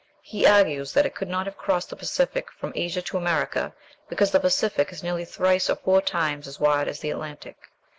He argues that it could not have crossed the Pacific from Asia to America, because the Pacific is nearly thrice or four times as wide as the Atlantic.